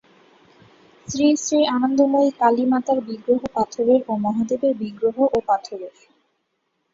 শ্রীশ্রী আনন্দময়ী কালী মাতার বিগ্রহ পাথরের ও মহাদেবের বিগ্রহ ও পাথরের।